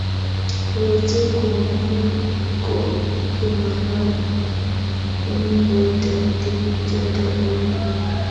Betu komugul ko kingalal runingait ak tibiik choto oeng.